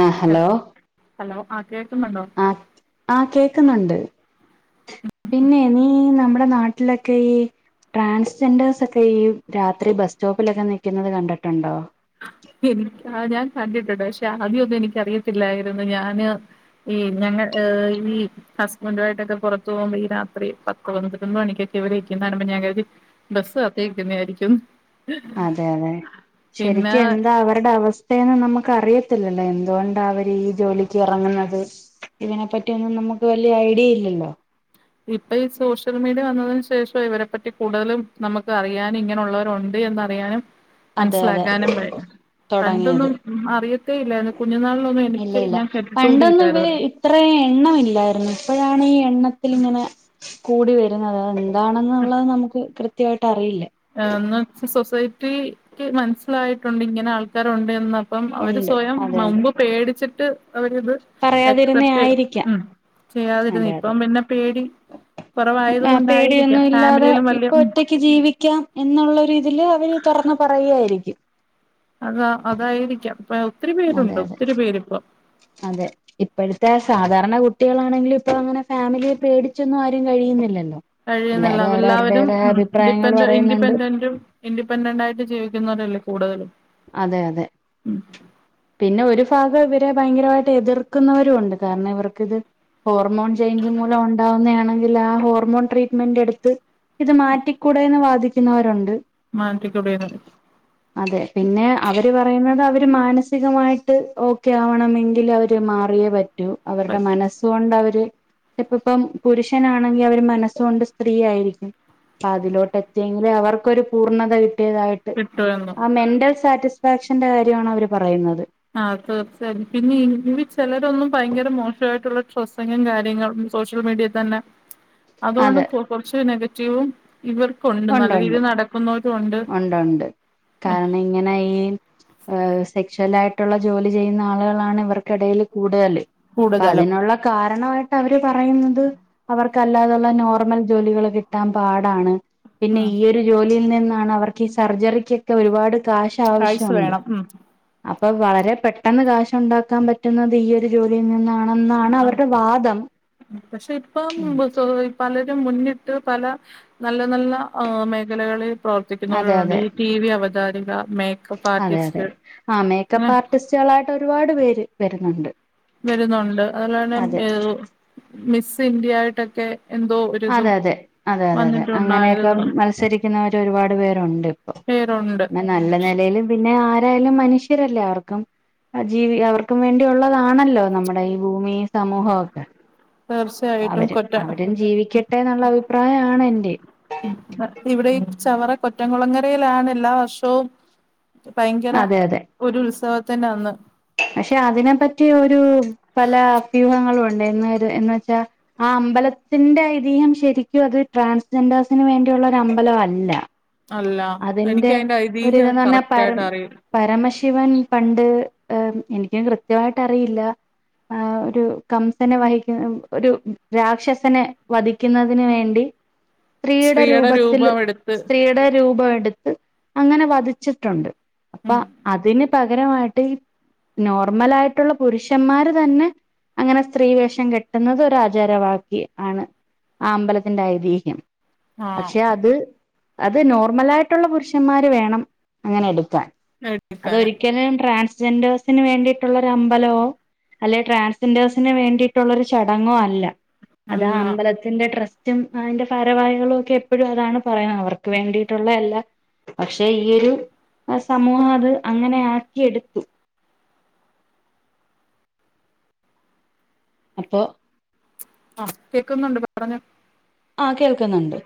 ആ ഹൽ hello hello ആ കേൾക്കുന്നുണ്ടോ ആ ആ കേക്കുന്നുണ്ട് പിന്നെ നീ നമ്മുടെ നാട്ടിലൊക്കെ ഈ ട്രാൻസ്ജെൻഡേഴ്സൊക്കെ ഈ രാത്രി ബസ് സ്റ്റോപ്പിലൊക്കെ നിക്കുന്നത് കണ്ടിട്ടുണ്ടോ എനിക്ക് ആ ഞാൻ കണ്ടിട്ടുണ്ട് പക്ഷെ ആദ്യ ഒന്നും എനിക്കറിയത്തില്ലായിരുന്നു ഞാന് ഈ ഞങ്ങ ഈ ഹസ്ബന്റുവായിട്ട് ഒക്കെ പുറത്ത് പോകുമ്പോ ഈ രാത്രി പത്ത് പൊതിനൊന്ന് മണിക്കൊക്കെ ഇവര് നിക്കുന്ന കാണുമ്പോ ഞാൻ ചോദിക്കും ബസ്സ്‌ കാത്തിരിക്കുന്ന യാ രിക്കും അതെ അതെ ശരിക്കും എന്താ അവ രുടെ അവസ്ഥയെന്ന് നമുക്കറിയത്തില്ലല്ലോ എന്തുകൊണ്ടാ അവരീ ജോലിക്കിറങ്ങുന്നത് ഇതിനെപ്പറ്റി ഒന്നും നമ്മുക്ക് വല്ല്യ ഐഡിയ ഇല്ലല്ലോ ഇപ്പൊ ഈ സോഷ്യൽ മീഡിയ വന്നതിന് ശേഷവ ഇവരെ പറ്റി കൂടുതലും നമുക്ക് അറിയാൻ ഇങ്ങനെയുള്ളവരുണ്ട് എന്നറിയാനും അതെ അതെ മനസ്സിലാക്കാനും പ തുടങ്ങിയത് പണ്ടൊന്നും അറിയത്തേ ഇല്ലായിരുന്നു കുഞ്ഞുിനാളിനൊന്നും ഇല്ല എനിക്ക് ഞാൻ കെട്ടിട്ട് കൂടിയില്ലായിരുന്നു എണ്ണമില്ലാരുന്നു ഇപ്പഴാണി എണ്ണ ത്തിലിങ്ങനെ കൂടി വരുന്നത് എന്താണെന്നുള്ളത് നമുക്ക് കൃത്യമായി എന്ന് വെച്ച സൊസൈറ്റിക്ക് മനസ്സിലായിട്ടുണ്ട് ഇങ്ങനെ ആൾക്കാരുണ്ടെന്ന് അപ്പം അവര് ഉണ്ട് സ്വയം അതെ അതെ മുമ്പ് പേടിച്ചിട്ട് അവരിത് പറയാതിരുന്ന അക്സെപ്റ്റ് ആയിരിക്കാം ചെയ ഉം ചെയ്യാതിരുന്ന അതെ അതെ ഇപ്പം പിന്നെ പേടി കുറവായത് പേടിയൊന്നും കൊണ്ടായിരിക്കാം ഫാമിലിയിലും വല്ല്യ എന്നുള്ള ഒരു ഇതില് അവര് തുറന്ന് പറയുവാരിക്കും അതാ അതായിരിക്കാം അപ്പ ഒത്തിരി അതെ പേരുണ്ട് അതെ ഒത്തിരി പേരിപ്പം അതെ ഇപ്പോഴത്തെ സാധാരണ കുട്ടികളാണെങ്കിലും ഇപ്പ അങ്ങനെ ഫാമിലിയെ പേടിച്ചൊന്നും ആരും കഴിയുന്നില്ലല്ലോ കഴിയുന്നില്ല എല്ലാരും അവ എല്ലാവരും അവരവരുടേതായ ഉം അഭിപ്രായങ്ങൾ ഇൻഡിപ്പെന്റ പറയുന്നുണ്ട് ഇൻഡിപെൻഡന്റും ഇൻഡിപെൻന്റായിട്ട് ജീവിക്കുന്ന രല്ലേ കൂടുതലും അതെ അതെ ഉം പിന്നെ ഒരു ഭാഗ ഇവരെ ഭയങ്കരമായിട്ട് എതിർക്കുന്നവരുംണ്ട് കാരണം ഇവർക്കിത് ഹോർമോൺ ചേഞ്ച് മൂലം ഉണ്ടാവുന്നത ആണെങ്കിൽ ആ ഹോർമോൺ ട്രീറ്റ്മെന്റ് എടുത്ത് ഇത് മാറ്റിക്കൂടെന്ന് വാദിക്കുന്നവരുണ്ട് മാനറ്റക്ക്ടെന്ന അതെ പിന്നെ അവർ പറയുന്നത് അവര് മാനസികമായിട്ട് ഓക്കെ ആവണമെങ്കിൽ അവര് മാറിയേ പറ്റ പറ്റ അവരുടെ പറ്റും മനസ്സ കൊൊണ്ട് അവര് ചപ്പ ഇപ്പം പുരുഷനാണെങ്കിൽ അവര് മനസ്സൊണ്ട് സ്ത്രീയയിരിക്കും അപ്പ അതിലോട്ട് എത്തിയെങ്കിലിൽ അവർക്കൊരു പൂർണ്ണത വി കതായിട്ട് കിട്ടുമെന്നും ആ മെന്റൽ സാറ്റിസ്ഫാക്ഷന്റെ കാര്യമാണ് അവർ പറയുന്നത് ആ തീർച്ചയായും പിന്നെ ഇ ചിലരൊന്നും ഭയങ്കര മോശമായിട്ടുള്ള ശ്രസങ്ങും കാര്യങ്ങളും സോഷ്യൽ മീഡിയയിൽ തന്നെ അതുകൊണ്ട് അതെ കുറച്ച് നെഗറ്റീവുംും ഇവർക്കുണ്ട് നല്ല രീതിയിൽ നടക്കുന്ന ഉണ്ടണ്ട് കാരണം ഇങ്ങനെ ഈ ഹ സെക്ഷവല ആയിട്ടുള്ള ജോലി ചെയ്യുന്ന ആളുകളാണ് ഇവർക്കിടയിൽ കൂടുതല് അപ്പ അതിനുള്ള കാരണമായിട്ട് അവര് പറയുന്നത് അവർക്ക് ല്ലാ നോർമൽ ജോലികൾ കിാൻ പാട പിന്നെ ഈ ഒരു ജോലിയിൽ നിന്ന അവർക്ക് ഈ സർജറിക്കൊക്കെ ഒരുപാട് കാശ ആവശ്യമുണ്ട് ഉം അപ്പൊ വളരെ പെട്ടെന്ന് കാശുണ്ടാക്കാൻ പറ്റുന്നത് ഈ ഒരു ജോലിയിൽ നിന്നാണ് ആ പക്ഷെ ഇപ്പം പലരും മുന്നിട്ട പല നല്ല നല്ല മേഖലകളിൽ അതെ പ്രവർത്തിക്കുന്നവരുണ്ട് അതെ ഈ ടി വി അവ ജാരുക അതെ അതെ ആ അങ്ങനെ മേക്കപ്പ് ആർട്ടിസ്റ്റുകളായിട്ട് ഒരുപാട് പേര് വരുന്നുണ്ട് വരുന്നുണ്ട് അതുപോലെ തന്നെ അതെ മിസ് ഇന്ത്യ ആയിട്ടൊക്കെ എന്തോ അതെ ഒരിതും അതെ അതെ അതെ അതെ അങ്ങനെയൊക്കെ വന്നിട്ടുണ്ടായിരുന്നു മത്സരിക്കുന്നവര് ഒരുപാട് പേരുണ്ട് പി പേരുണ്ട് നല്ല നിലയിലും പിന്നെ ആ ായാലും മനുഷ്യരല്ലേ അവർക്കും ജീവി അവർക്കും വേണ്ടിയുള്ളതാണല്ലോ നമ്മുടെ ഈ ഭൂമി സമൂഹമൊക്കെ തീർച്ചയായിട്ടും അവരും കൊറ്റ അവരും ജീവിക്കട്ടെ എന്നുള്ള അഭിപ്രായമാണ് എന്റെ ഇവിടെ ഈ ചവറ കൊറ്റംകുളങ്ങരയിലാണ് എല്ലാ വർഷവും ഭയങ്കര അതെ അതെ ഒരു ഉത്സവ തന്നെന്ന് പക്ഷെ അതിനെപ്പറ്റി ഒരു പല അഭ്യൂഹങ്ങളും ആ അലത്തിന്റെ ശ ്രെ വ അമ്പലംല്ല അല്ല എനിക്ക് അതിന്റെ ഐതിഹ്യം ഒരിതന്ന് പറഞ്ഞാ കറക്റ്റ് പരം ആയിട്ട് അറിയും പരമ ശിവൻ പണ്ട് എനിക്കും കൃത്യമായിട്ട് അറിയില്ല ആ ഒരു കംസനെ വഹിക്കുന്ന ഒരു രാക്ഷസനെ വധിക്കുന്നതിന് വേണ്ടി സ്ത്രീയുടെ രൂപത്തി രൂപം എടുത്ത് സ്ത്രീയുടെ രൂപ എടുത്ത് അങ്ങനെ വധിച്ചിട്ടുണ്ട് അപ്പൊ ഉം അതിന് പകരമായിട്ട് നോർമല ആയിട്ടുള്ള പുരുഷന്മാര് തന്നെ അങ്ങനെ സ്ത്രീ വേഷം കെട്ടുന്നത് ഒരു ആചാരവാക്ി ആണ് ആ അമ്പലത്തിന്റെ ഐതിഹ്യം ആഹ് പക്ഷെ അത് അത് നോർമല ആായിട്ടുള്ള പുരുഷന്മാര് വേണം അങ്ങനെ എടുക്കാൻ എടുക്കാന് അതൊരിക്കലും ട്രാൻസ്ജെൻഡേഴ്സിന് വേണ്ടിയിട്ടുള്ളൊ ഒരു അമ്പലമോ അല്ലെ ട്രൻസ്ജെൻഡേഴ്സിന് വേണ്ടിയിട്ടുള്ള ഒരു ചടങ്ങും അല്ല അതാ അല്ല അമ്പലത്തിന്റെ ട്രസ്റ്റും അതിന്റെ പാരവാഹികളും ഒക്കെ എപ്പോഴും അതാണ് പറയുന്നത് അവർക്ക് വേണ്ടിയിട്ടുള്ള എല്ലാ പക്ഷെ ഈൊ ഒരു സമൂഹം അത് അങ്ങനെ ആക്കിയെടുത്തു അപ്പൊ ആഹ കേക്കുന്നുണ്ട് പറഞ്ഞു ആ കേൾക്കുന്നുണ്ട്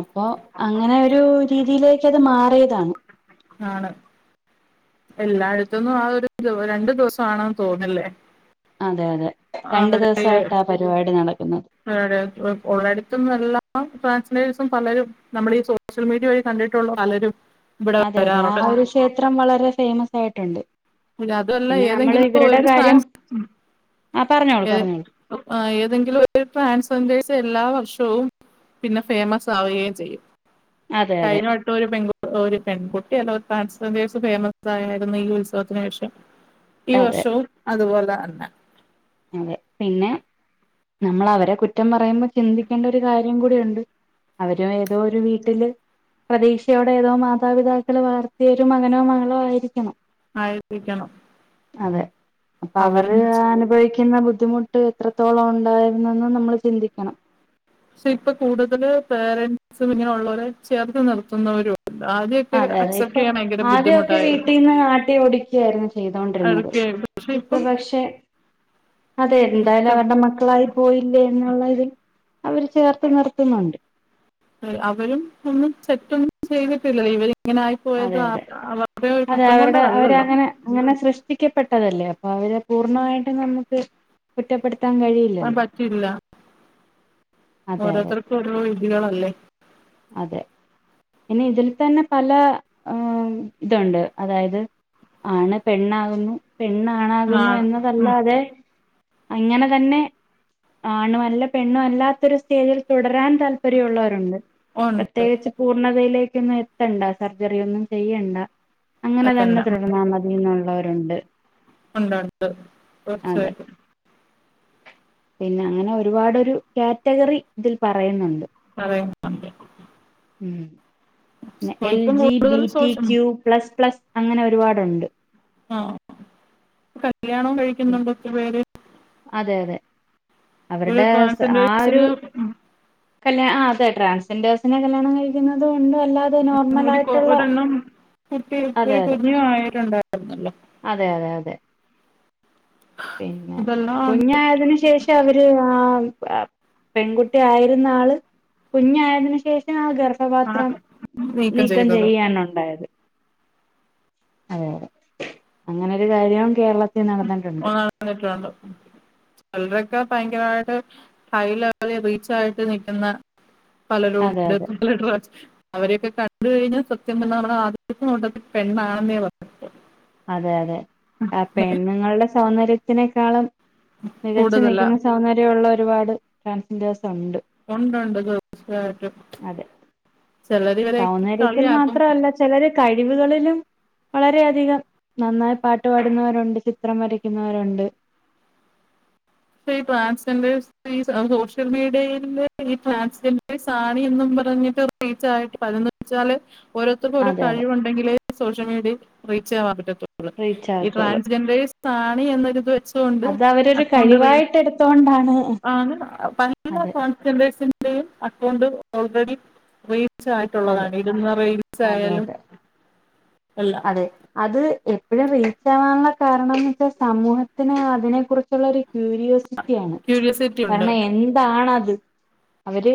അപ്പൊ അങ്ങനെ ഒരു രീതിയിലേക്ക് അത് മാറിയതാണ് ആണ് എല്ലായിടത്തന്നും ആ ഒരു രണ്ടു ദിവസമാണെന്ന് തോന്നല്ലേ അതെ അതെ രണ്ടു ദിവസായിട്ട പരിപാടി നടക്കുന്നത് [unintelligible] ഉള്ളടുത്തും എല്ലാം [unintelligible] ദിവസം പലരും നമ്മളീ സോഷ്യൽ മീഡിയ വഴി കണ്ടിട്ടുള്ള പലരും ഇവിടെ അതെ അതെ ആ വരാറുണ്ട് ഒരു ക്ഷേത്രം വളരെ ഫേമസ് ആയിട്ടുണ്ട് അതുമല്ല പിന്നെ നമ്മള് ഏതെങ്കിലും ഇവരുടെ കാര്യം ആ പറഞ്ഞോളൂ ഏ പറഞ്ഞോളൂ ഏതെങ്കിലും ഒരു ട്രാൻസ്ജന്റേഴ്‌സ് എല്ലാം വ ർഷവും പിന്നെ ഫേമസ് ആവുകയും ചെയ്യും അതെ അതെ കഴിഞ്ഞ വട്ടം ഒരു പെൺകു ഒരു പെൺകുട്ടി അല്ല ഒ ട്രാസ്‌ജെൻന്റെഴ്സ് ഫേമസ് ആയായിരുന്നു ഈ ഉത്സവത്തിന് ശേഷം ഈ അതെ വർഷവും അതുപോലെ തന്ന അതെ പിന്നെ നമ്മൾ അവരെ കുറ്റം പറയുമ്പോ ചിന്തിക്കേണ്ട ഒരു കാര്യം കൂടിയുണ്ട് അവരു ഏതോ ഒരു വീട്ടില് പ്രതീക്ഷയോടെ ഏതോ മാതാപിതാക്കൾ വളർത്തിയൊരു മകനോ മകളോ ആയിരിക്കണം ആയിരിക്കണം അതെ അപ്പൊ അവര് അവരും അനുഭവിക്കു ന്ന ബുദ്ധിമുട്ട് എത്രത്തോളം ഉണ്ടായിരുന്നന്ന് നമ്മൾ ചിന്തിക്കണം പക്ഷെ ഇപ്പൊ കൂടുതല് പേരന്സും ഇങ്ങനെുള്ളവരെ ചേർത്ത് നിർത്തുന്നവരുവ ആദ്യൊക്കെ അതെ അതെ അക്സെപ്റ്റ് ഇപ്പൊ ചെയ്യാൻ ഭയങ്കര ബുദ്ധിമുട്ടായിരുന്നു ചെയ്തൊണ്ടിരുന്നത് അതൊക്കെ പക്ഷെ ഇപ്പൊ ഇപ്പം പക്ഷെ അതെ എന്തായാലും അവരുടെ മക്കളായി പോയില്ലേ എന്നുള്ള ഇതിൽ അവര് ചേർത്ത് നിർത്തുന്നുണ്ട് അവരും ഒന്നും തെറ്റൊന്നും ചെയ്തിട്ടില്ല ഇവര് അതെ അതെ അതെ കുറ്റം അവരുടെ കൊണ്ടല്ലല്ലോ അവരങ്ങനെ അങ്ങനെ സൃഷ്ടിക്കപ്പെട്ടതല്ലേ അവരെ പൂർണ്ണമായിട്ടും നമുക്ക് കുറ്റപ്പെട് അത് പറ്റില്ല അതെ അതെ ഓരോര്ത്തർക്കു ഓരോ രീതികളല്ലേ? അതെ. പിന്നെ ഇതിൽ തന്നെ പല ആ ഇതുണ്ട് അതായത് ആണ് പെണ്ണാകുന്നു ആ, പെണ്ണാണാകുന്നു ഉം, എന്നതല്ലാതെ. അങ്ങനെ തന്നെ ആണും അല്ല പെണ്ണും അല്ലാത്തൊരു സ്റ്റേജിൽ തുടരാൻ താൽപര്യുള്ളവരുണ്ട് ഉണ്ട് പ്രത്യേകിച്ച് പൂർണതയിലേ ക്ക് എത്തണ്ട സർജറി ഒന്നും ചെയ്യണ്ട അങ്ങനെ തന്നെ തുടർന്നാൽ മതിന്നുള്ളര്. ഉണ്ടട്ത്ത് അതെ തീർച്ചയായിട്ട്. പിന്നെ അങ്ങനെ ഒരുപാടൊരു കാറ്റഗറി ഇതിൽ പറയുന്നുണ്ട്. അതെ. [unintelligible] ഉം എൽ ജി കൂടുതലും സോഷ്യൽ ബിറ്റിക്യൂ പ്ലസ് പ്ലസ് അങ്ങനെ ഒരുപാടുണ്ട്. ആ കല്യാണം കഴിക്കുന്നുണ്ട് ഒത്തിരി പേര് അതെ അതെ. ഒരു അവരുടെ സ് ആ ഒരു ട്രാൻസ്ജെൻഡേഴ്സിന് കല്യാ ആ അതെ. ട്രാൻസ്ജെൻഡേഴ്സിനെ കല്യാണം കഴിക്കുന്നതുണ്ട് അല്ലാതെ നോർമലായിട്ടുള്ള കെട്ടി ഒരു കുഞ്ഞു ആയട്ടുണ്ടായിരുന്നല്ലോ? അതെ അതെ അതെ പിന്നെ കുഞ്ഞായതിന് ശേഷം അവര് ആ പെൺകുട്ടി ആയിരുന്ന ആള് കുഞ്ഞായതിന് ശേഷം ആ ഗർ ആ ഭപാത്രം നീക്കം ചെയ്യാണ് ഉണ്ടായത്. അതെ അതെ അങ്ങനൊരു കാര്യം കേരള ആ കേട്ട്യാൺണ്ട് ചെലൊരൊ ഒക്കെ ഭയങ്കമായിട്ട് ഹൈ ലെവല് റീച്ച് ആയിട്ട് നിക്കുന്ന അതെ പലരുംണ്ട് അതെ [unintelligible] അവരെയൊക്കെ. അത് കഴിഞ്ഞാൽ [unintelligible] സത്യം പറഞ്ഞാൽ ആദ്യത്തെ നോട്ടത്തിൽ പെണ്ാണെന്നേ പറഞ്. അതെ അതെ ആ പെണ്ണുങ്ങളുടെ സൗന്ദര്യത്തിനേക്കാളും മികച്ചു കൂടുതലാ നീക്കുന്ന സൗന്ദര്യമുള്ള ഒരുപാട് ട്രൻസിന്റെ ഉണ്ടുണ്ട് തീച്ചായിട്ടും. അതെ സൗന്ദര്യത്തിൽ മാത്രല്ല ചിലര് കഴിവുകളിലും വളരെയധികം നന്നായി പാട്ടു പാടുന്നവരുണ്ട് ചിത്രം വരയ്ക്കുന്നവരുണ്ട്. [unintelligible] ഈ ട്രാൻ സോഷ്യൽ ഈ ശിഷ്യൽ മീഡിയൽ ഈ ട്രാൻ സാണിന്നും. പറഞ്ഞിട്ട് റീച്ചായിട്ട് പറന്ന് വെച്ചാല് ഓരോര്ത്തർക്ക് അതെ അതെ ഓരോകഴിവുണ്ടെങ്കിലേ സോഷ്യൽ മീഡിയയിൽ റീച്ചാവാൻ പറ്റു റീച്ച് ഈ ആകത്തുള്ളൂ ട്രാൻസ്ജെൻഡേഴ്സ് ആാണ് എന്നൊരുത് അത് അവരരു കഴി റിയും ആ ന [unintelligible] അതെ ട്രാൻസൻഡേഴ്സ് [unintelligible] അക്കൗണ്ട് ഓൾറെഡി റീ അതെ യിട്ടുള്ളതാണ് ഇരുന്ന അതെ റീൽസായാലും അതെ അതെ അത് എ. ഇവര റീച്ച് ആവാനുള്ള കാരണംന്ന് വെച്ചാൽ സമൂഹത്തിന് അതിനെ കുറിച്ചുള്ള ഒരു ക്യൂരിയോസിറ്റിയണ് ക്യൂരിയോസിറ്റി ഉണ്ട് കാരണം എന്താണത്. അവര്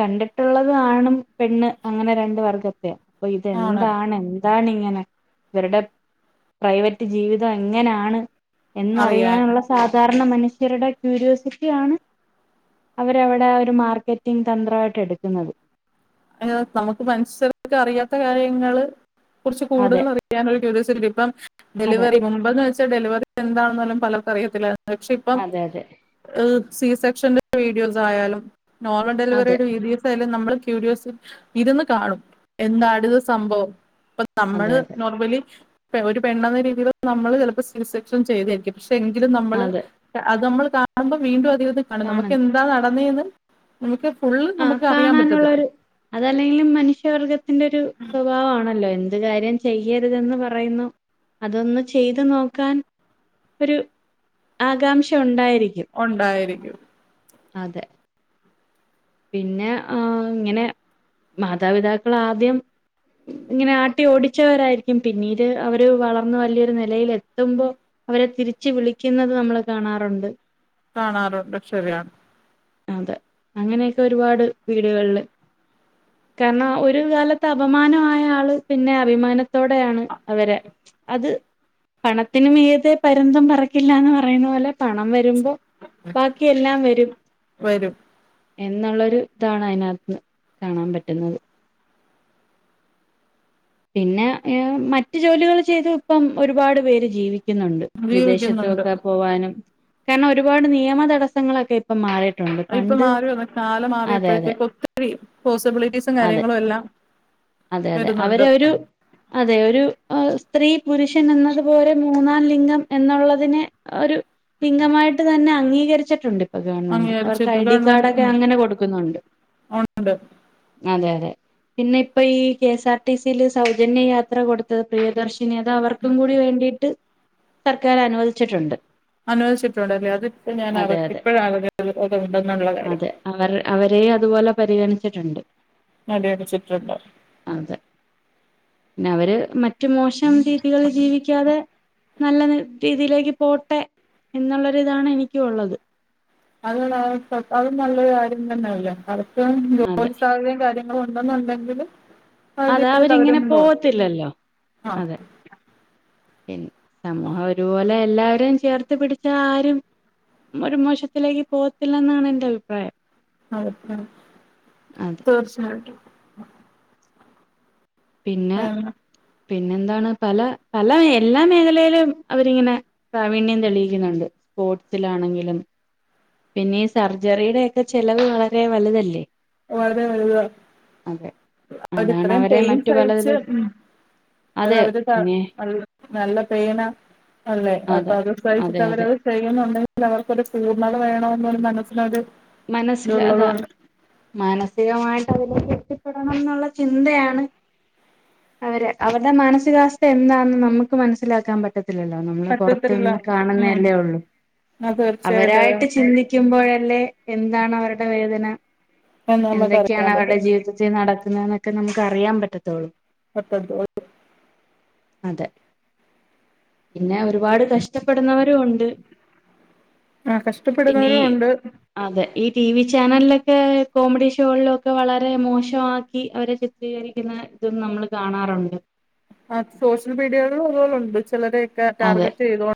കണ്ടിട്ടുള്ളത് ആണും പെണ്ണ് അങ്ങനെ രണ്ട് വർഗത്തെയാ. അപ്പൊ ആണ് ഇതെന്താണ് എന്താണ്. ഇവരുടെ പ്രൈവറ്റ് ജീവിതം എങ്ങനെയാണ്. അറിയാൻ എന്നറിയാനുള്ള സാധാരണ മനുഷ്യരുടെ ക്യൂരിയോസിറ്റി ആണ്. അവരവിടെ ഒരു മാർക്കറ്റിങ് തന്ത്രമായിട്ട് എടുക്കുന്നത്. അ നമുക്ക് മനുസ്യർക്ക അറിയാത്ത കാര്യങ്ങള്. കുറച്ച് അതെ കൂടുതൽ അറിയാന ഒരു ക്യൂരോസിറ്റി ഇപ്പം അതെ ഡെലിവറി മുമ്പ്ന് വെച്ചാ. ഡെലിവറി എന്താണും പലർക്ക അറിയല്ല പക്ഷെ ഇപ്പം അതെ അതെ സി സെക്ഷ വീഡിയോസ് ആയാലും നോർമൽ അതെ ഡെലിവറിയുടെീസായാല നമ്മൾക്ൂരിയോ ഇരുന്ന് കാണും എന്താ ഇത് സംഭവം ഇപ്പൊ അതെ നമ്മള് അതെ നോർമലി ഒരു പെണ്ണെന്ന രീതിയിൽ നമ്മള് ചിലപ്പോ സീസക്ഷൻ ചെയ്തരിക്കും പക്ഷെ എങ്കിലും നമ്മള് അതെ അത് നമ്മൾ കാണുമ്പോ വീണ്ടും അധിക കാണും നമുക്ക് കാണുന്നു എന്താ നടന്നതന്ന് നമുക്ക് ഫള് ആ നമുക്ക് അറിയാൻ പറ്റത്തല്ല കാണാനുള്ളൊരു അതല്ലെങ്കിലും മനുഷ്യവർഗ്ഗത്തിന്റെ ഒരു സ്വഭാവമാണല്ലോ എ ഇത് കാര്യം ചെയ്യരുതെന്ന് പറയുന്നു അതൊന്ന് ചെയ്ത് നോക്കാൻ ഒരു ആകാംക്ഷ ഉണ്ടായിരുന്നു ഉണ്ടായിരിക്കും അതെ പിന്നെ ആ ഇങ്ങനെ മാതാപിതാക്കൾ ആദ്യം ഇങ്ങനെ ആട്ടി ഓടിച്ചവരായിരിക്കും പിന്നീട് അവര് വളർന്നു വലിയൊരു നിലൽ എത്തുമ്പോ അവരെ തിരിച്ച് വിളിക്കുന്നത് നമ്മള് കാണാറുണ്ട് കാണാറുണ്ട് ശരിയാണ് അതെ അങ്ങനെയൊക്കെ ഒരുപാട് വീടുകളില് കാരണം ഒരു കാലത്ത് അപമാനമായ ആള് പിന്നെ അഭിമാനത്തോടെയാണ് അവരെ അത് പണത്തിനും ഏത പരുന്തം പറക്കില്ല എന്ന് പറയുന്ന പോലെ പണം വരുമ്പോ ബാക്കി എല്ലാം വരും വരും എന്നുള്ളൊരു ഇതാണ് അതിനകത്ത് കാണാൻ പറ്റുന്നത് പിന്നെ ർ മറ്റു ജോലികൾ ചെയ്ത് ഇപ്പം ഒരുപാട് പേര് ജീവിക്കും ന്നുണ്ട് ജീവിക്കുന്നുണ്ട് വിദേശത്തൊക്കെ പോവാനും കാരണം ഒരുപാട് നിയമതടസ്സങ്ങളൊക്കെ ഇപ്പ മാറിട്ട ഇപ്പൊ മാറി വന്ന കാല അതെ മാറിയപ്പോഴത്തേക്ക് ഒത്തിരി പോസിബിലിറ്റീസും അതെ കാര്യങ്ങളും എല്ലാം അതെ അതെ അവരെ വരുന്നുണ്ട് ഒരു അതെ ഒരു സ്ത്രീ പുരുഷൻ എന്നതുപോലെ മൂന്നാം ലിംഗം എന്നുള്ളതിന് ഒരു ലിംഗമായി ായിട്ട് തന്നെ അംഗീകരിച്ചിട്ടുണ്ട് ഇപ്പ ഗവൺമെന്റ് അവർക്ക് അംഗീകരിച്ചിട്ട് ഐ ഡി കാർഡ ഗവൺമെന്റ് ഒക്കെ ഉം അങ്ങനെ കൊടുക്കുന്നുണ്ട് ഉണ്ട് അതെ അതെ പിന്നെ ഇപ്പൊ ഈ കെഎസ് ആർ ടിസിയില് സൗജന്യ യാത്ര കൊടുത്തത് പ്രിയദർശന ക്ഷനിത അവർക്കും കൂടി വേണ്ടിട്ട് സർക്കാർ അനുവദിച്ചിട്ടുണ്ട് അനുവദിച്ചിട്ടുണ്ടല്ലേ അത്പ്പോ ഞാൻ അതെ അതെ ഇപ്പഴ ആ ഒെ ഉണ്ടെന്നുള്ള കാര്യം അവ അവരെ പരിഗണിച്ചിട്ടുണ്ട് നട അടിച്ചിട്ടുണ്ടോ അതെ പിന്നെ അവര് മറ്റു മോശം രീതികളിൽ ജീവിക്കാതെ നല്ല രീതിയിലേക്ക് പോട്ടെ എന്നുള്ളൊരി ഇതാണ് എനിക്ക ഉള്ളത് അത് അത് നല്ലരു കാര്യം തന്നെയല്ലേ കർക്കും അതെ ജോലി സാഹചര്യം കാര്യ കൊണ്ടന്നുണ്ടെങ്കില് അതെ അവരിങ്ങനെ പോവത്തില്ലല്ലോ ആ അതെ സമൂഹം ഒരുപോലെ എല്ലാവരും ചേർത്ത് പിടിച്ചാ ആരും ഒരു മോശത്തിലേക്ക് പോകത്തില്ല എന്നാണ് എൻന്റെ അഭിപ്രായം ആഹക്ക അതെ തീർച്ചായിട്ടും പിന്നെ പിന്നെന്താണ് പല പല എല്ലാ മേഖലയിലും അവരിങ്ങനെ പ്രാവീണ്യം തെളിയിക്കുന്നുണ്ട് സ്പോർട്സിലാണെങ്കിലും പിന്നെ സർജറിയുടെൊക്കെ ചെിലവ് വളരെ വലുതല്ലേ വര വുത അതെ അതാണ് അവരിത്രയും അവരെ പെയിൻസ് മറ്റു കഴിച്ച് പലതില് ഉ അത അതെ അവര് പിന്നെ നല്ല പേന അല്ലെ അപ്പൊ അതെ അത്സ്രഹിച്ചിട്ട് അതെ അതെ അവരത് ചെയ്യുന്നുണ്ടെങ്കിൽ അവർക്ക്ൊരു പൂർണ്ണത വേണ എന്നരു മനസ്സിനൊരു മനസ്സിില് അതാ ഇതുള്ളതുകൊണ്ട് മാനസികമായിട്ട് അതിലേ കെട്ടിപ്പെടണം എന്നുള്ള ചിന്തയാണ് അവര് അവരുടെ മാനസികാവസ്ഥ എന്താന്ന് നമുക്ക് മനസ്സിലാക്കാൻ പറ്റത് ല്ലോ നമ്മള് പുറത്ത പറ്റത്തില്ല നിന്ന് ഉം കാണുന്നല്ലേ ഉള്ളു അത് തീർച്ചയായിട്ടും അവരായിട്ട് ചിന്തിക്കുമ്പോഴല്ലേ എന്താണ് അവരുടെ വേദന എന്ന് നമുക്ക് എന്തൊക്കെയാണ് അറിയാൻ അവരുടെ പറ്റും ജീവിതത്തിൽ നടക്കുന്ന എന്നൊക്കെ നമ്മ ന അറിയൻ പറ്റത്തൊുള്ളൂ പത്ത അ [unintelligible] അതെ പിന്നെ ഒരുപാട് കഷ ഇഷ്ടപ്പെടുന്നവരും ഉണ്ട് ആ പിന്നെ കഷ്ടപ്പെടുന്നവരും ഉണ്ട് അതെ ഈ ടി വി ചാനലിലൊക്കെ കോമഡി ഷോകളിലൊക്കെ വളരെ മോശമാക്കി അവരെ ചിത്ര രിക്കുന്ന ഇതും നമ്മള് കാണാറുണ്ട് ആ സോഷ്യൽ മീഡിയകളിൽുണ്ട് ചിലരൊക്കെ അത് ടാർഗറ്റ് ചെയ്തണ്ട്